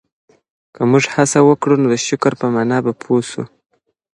که موږ هڅه وکړو نو د شکر په مانا به پوه سو.